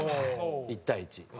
１対１」。